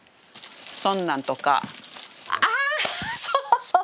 そんなんとかあそうそうそう！